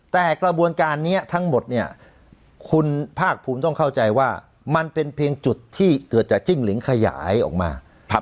แต่กระบวนการนี้ทั้งหมดเนี่ยคุณภาคภูมิต้องเข้าใจว่ามันเป็นเพียงจุดที่เกิดจากจิ้งหลิงขยายออกมา